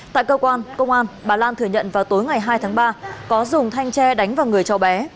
tại cơ quan công an bà lan thừa nhận vào tối ngày hai tháng ba có dùng thanh tre đánh vào người cháu bé